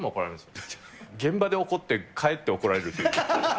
現場で怒って帰って怒られるっていう。